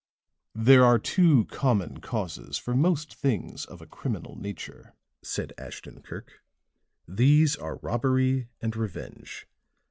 "There are two common causes for most things of a criminal nature," said Ashton Kirk. "These are robbery and revenge.